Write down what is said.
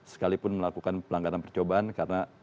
sekalipun melakukan pelanggaran percobaan karena